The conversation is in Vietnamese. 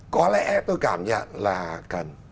có lẽ tôi cảm nhận là cần